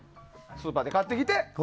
スーパーで買ってきて。